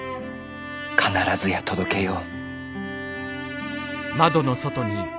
必ずや届けよう。